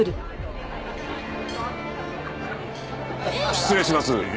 失礼します。